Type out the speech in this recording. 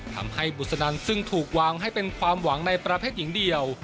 ทำให้บุษนันซึ่งถูกวางให้เป็นความหวังในประเภทหญิงเดียว